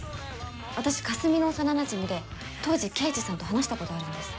私かすみの幼なじみで当時刑事さんと話したことあるんです。